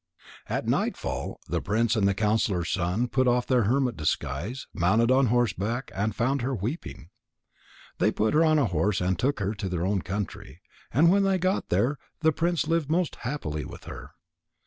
And at nightfall the prince and the counsellor's son put off their hermit disguise, mounted on horseback, and found her weeping. They put her on a horse and took her to their own country. And when they got there, the prince lived most happily with her.